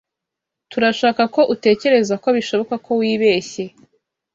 Turashaka ko utekereza ko bishoboka ko wibeshye.